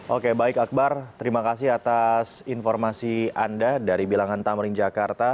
oke baik akbar terima kasih atas informasi anda dari bilangan tamrin jakarta